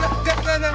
gak gak neng neng